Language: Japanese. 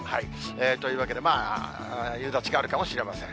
というわけで、夕立があるかもしれません。